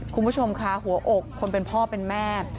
คุณผู้ชมค่ะหัวอกคนเป็นพ่อเป็นแม่